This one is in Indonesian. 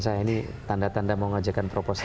saya ini tanda tanda mau ngajarkan proposal